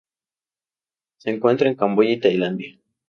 Se encuentra en Camboya y Tailandia.